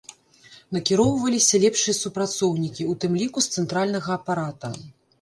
Накіроўваліся лепшыя супрацоўнікі, у тым ліку з цэнтральнага апарата.